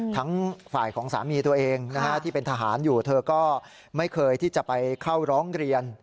ทั้งฝ่ายของสามีตัวเองที่เป็นทหารอยู่เธอก็ไม่เคยที่จะไปเข้าร้องเรียน